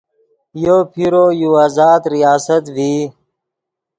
یو پیرو یو آزاد ریاست ڤئی